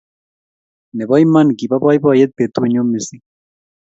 Nebo iman kibo boiboyet betunyu mising